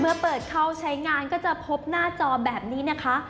เปิดเข้าใช้งานก็จะพบหน้าจอแบบนี้นะคะ